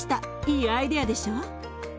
いいアイデアでしょ？